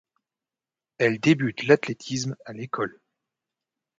Elle débute l'athlétisme à l'école.